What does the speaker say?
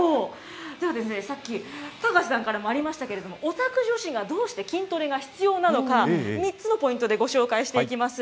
さっき、高瀬さんからもありましたけれども、オタク女子が、どうして筋トレが必要なのか、３つのポイントでご紹介していきます。